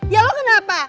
ya lo kenapa